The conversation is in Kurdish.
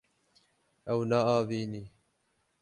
Ew naavînî.